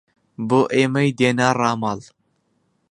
بۆ ئێمەی دێنا ڕاماڵ